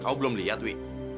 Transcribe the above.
kamu kamu belum lihat wih